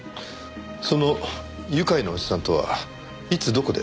その愉快なおじさんとはいつどこで知り合ったの？